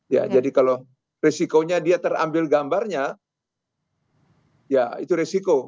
ya jadi kalau risikonya dia terambil gambarnya ya itu resiko